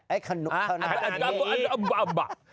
เอ๊ะขนุกขนาดนี้